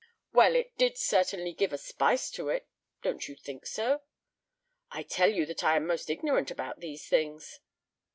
"Well, it did certainly give a spice to it. Don't you think so?" "I tell you that I am very ignorant about these things."